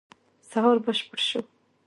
سهار بشپړ شو.